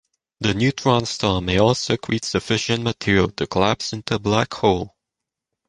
The neutron star may also accrete sufficient material to collapse into a black hole.